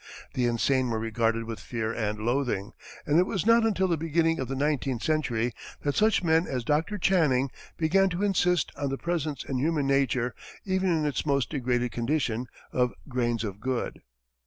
The insane were regarded with fear and loathing, and it was not until the beginning of the nineteenth century that such men as Dr. Channing began to insist on the presence in human nature, even in its most degraded condition, of grains of good.